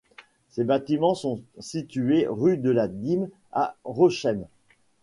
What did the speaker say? Ces bâtiments sont situés rue de la Dîme à Rosheim.